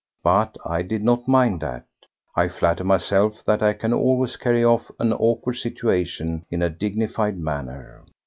But I did not mind that. I flatter myself that I can always carry off an awkward situation in a dignified manner.